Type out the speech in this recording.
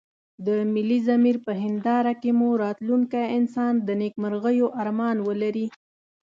د ملي ضمير په هنداره کې مو راتلونکی انسان د نيکمرغيو ارمان ولري.